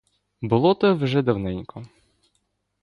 Було те вже давненько.